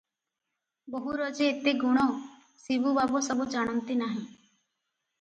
ବୋହୂର ଯେ ଏତେ ଗୁଣ, ଶିବୁ ବାବୁ ସବୁ ଜାଣନ୍ତି ନାହିଁ ।